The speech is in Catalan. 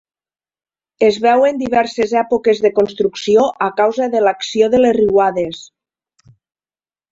Es veuen diverses èpoques de construcció a causa de l'acció de les riuades.